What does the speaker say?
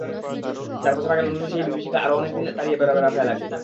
চার বছর আগে লন্ডনে সেই বিভীষিকা আরও অনেক দিনই তাড়িয়ে বেড়াবে রাফায়েলাকে।